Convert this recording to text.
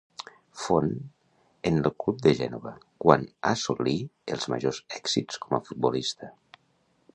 Fon en el club de Gènova quan assolí els majors èxits com a futbolista.